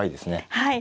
はい。